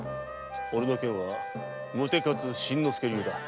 おれの剣は無手勝新之助流だ。